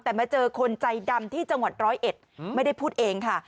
แต่มาเจอคนใจดำที่จังหวัดร้อยเอ็ดไม่ได้พูดเองค่ะ